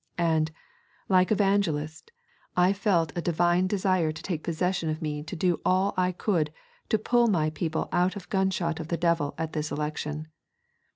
And, like Evangelist, I felt a divine desire taking possession of me to do all I could to pull my people out of gunshot of the devil at this election.